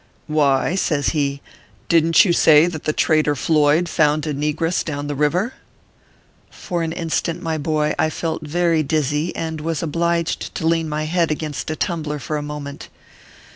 " Why," says he, " didn t you say that the traitor Floyd found a negrcss down the river ?" For an instant, my boy, I felt very dizzy, and was obliged to lean my head against a tumbler for a mo ment.